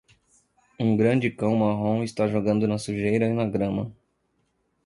Um grande cão marrom está jogando na sujeira e na grama.